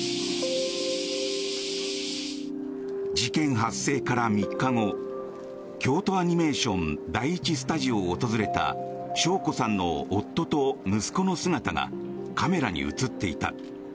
事件発生から３日後京都アニメーション第１スタジオを訪れた晶子さんの夫と息子の姿がカメラに映っていた。